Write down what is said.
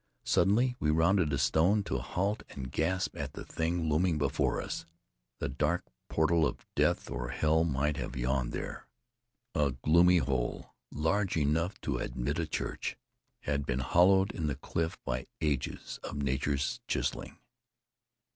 Suddenly we rounded a stone, to halt and gasp at the thing looming before us. The dark portal of death or hell might have yawned there. A gloomy hole, large enough to admit a church, had been hollowed in the cliff by ages of nature's chiseling.